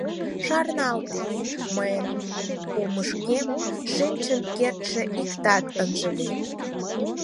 Шарналте: «Мыйын олмышкем шинчын кертше иктат ынже лий!»